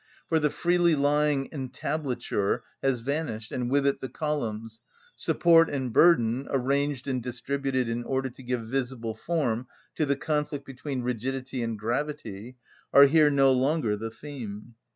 For the freely lying entablature has vanished, and with it the columns: support and burden, arranged and distributed in order to give visible form to the conflict between rigidity and gravity, are here no longer the theme.